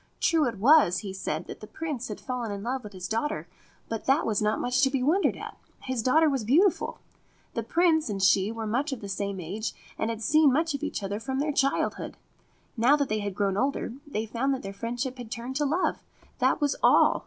True it was, he said, that the Prince had fallen in love with his daughter ; but that was not much to be wondered at. His daughter was beautiful ; the Prince and she were much of the same age, and had seen much of each other from their child hood. Now that they had grown older, they found that their friendship had turned to love. That was all.